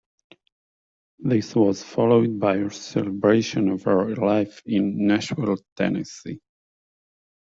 This was followed by a celebration of her life in Nashville, Tennessee.